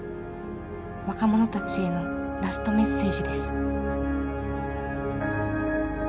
若者たちへのラストメッセージです。